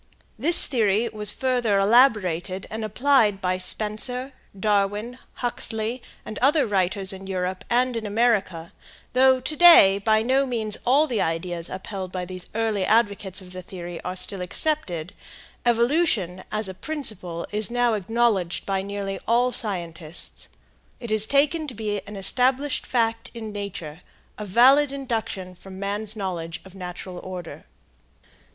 This theory was further elaborated and applied by Spencer, Darwin, Huxley, and other writers in Europe and America, and though to day by no means all the ideas upheld by these early advocates of the theory are still accepted, evolution as a principle is now acknowledged by nearly all scientists. It is taken to be an established fact in nature, a valid induction from man's knowledge of natural order.